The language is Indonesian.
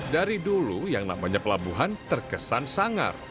dari dulu yang namanya pelabuhan terkesan sangar